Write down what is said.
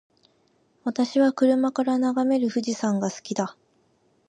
私は車から眺める富士山が好きだ。